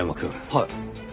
はい。